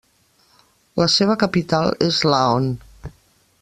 La seva capital és Laon.